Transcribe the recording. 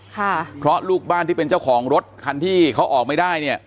ค่ะเพราะลูกบ้านที่เป็นเจ้าของรถคันที่เขาออกไม่ได้เนี่ย